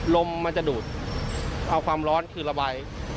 ลมมันจะดูดเอาความร้อนคือระบาย